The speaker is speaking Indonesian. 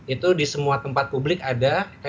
itu di semua tempat publik ada